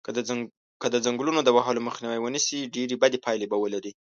که د ځنګلونو د وهلو مخنیوی و نشی ډیری بدی پایلی به ولری